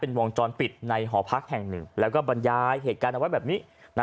วงจรปิดในหอพักแห่งหนึ่งแล้วก็บรรยายเหตุการณ์เอาไว้แบบนี้